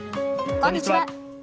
こんにちは。